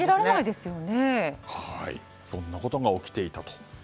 そんなことが起きていたと。